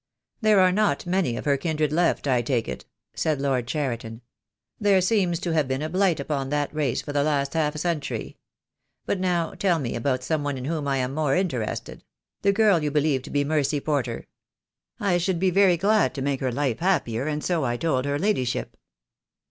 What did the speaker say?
"There are not many of her kindred left, I take it," said Lord Cheriton. "There seems to have been a blight upon that race for the last half century. But, now, tell me about someone in whom I am more interested — the girl you believe to be Mercy Porter. I should be very glad to make her life happier, and so I told her ladyship.